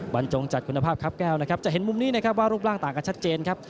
บรรจงจัดคุณภาพครับแก้วนะครับจะเห็นมุมนี้นะครับว่ารูปร่างต่างกันชัดเจนครับ